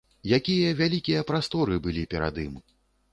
Якія вялікія прасторы былі перад ім!